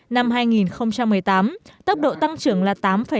năm hai nghìn một mươi tám tốc độ tăng trưởng là tám sáu mươi ba